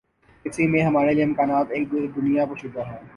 اسی میں ہمارے لیے امکانات کی ایک دنیا پوشیدہ ہے۔